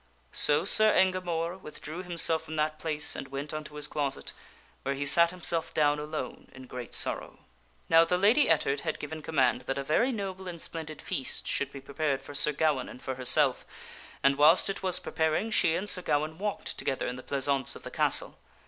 So Sir Engamore withdrew himself from that place and went unto his closet, where he sat himself down alone in great sorrow. Now the Lady Ettard had given command that a very noble and splen did feast should be prepared for Sir Gawaine and for herself, and whilst it was preparing she and Sir Gawaine walked together in the pleasaunce of the castle.